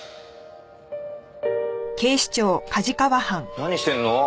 何してるの？